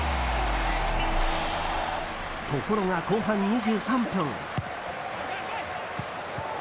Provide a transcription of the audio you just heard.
ところが後半２３分。